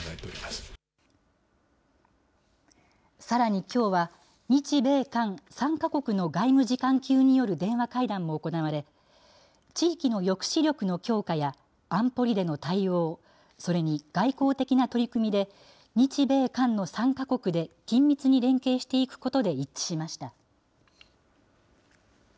さらにきょうは、日米韓３か国の外務次官級による電話会談が行われ、地域の抑止力の強化や、安保理での対応、それに外交的な取り組みで、日米韓の３か国で緊密に連携していくことで一致しました。